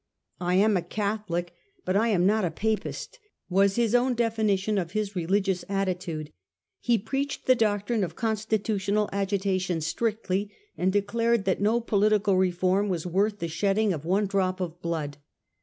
'I am a Catholic, hut I am not a Papist,' was his own definition of his religious at titude. He preached the doctrine of constitutional agitation strictly, and declared that no political Re form was worth the shedding of one drop of blood.